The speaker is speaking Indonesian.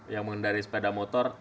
yang mengendari sepeda motor